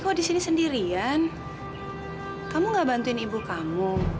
ada nikah dan musim apa thai pun